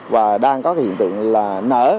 và đang có hiện tượng là nở